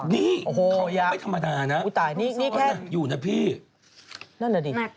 นี่เขายังไม่ธรรมดานะอยู่นะพี่สรรค์อันนี้คือนั่นน่ะดิ